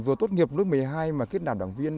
vừa tốt nghiệp lớp một mươi hai mà kết nạp đảng viên